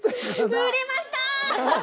売れました！